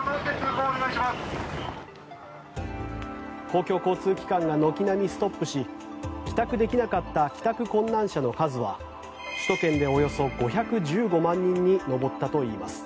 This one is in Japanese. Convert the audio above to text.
公共交通機関が軒並みストップし帰宅できなかった帰宅困難者の数は首都圏でおよそ５１５万人に上ったといいます。